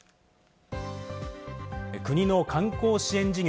国の観光支援事業